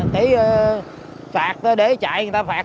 phạt để chạy người ta phạt